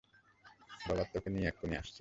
রবার্তোকে নিয়ে এক্ষুণি আসছি।